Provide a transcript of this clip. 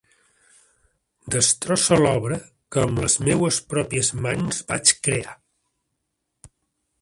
Destrosse l'obra que amb les meues pròpies mans vaig crear.